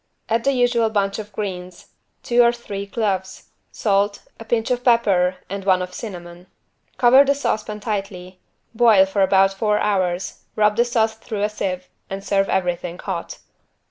Add the usual bunch of greens, two or three cloves, salt, a pinch of pepper and one of cinnamon. Cover the saucepan tightly, boil for about four hours, rub the sauce through a sieve and serve everything hot.